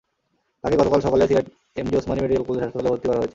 তাঁকে গতকাল সকালে Sylhet MAG Osmani medical college হাসপাতালে ভর্তি করা হয়েছে।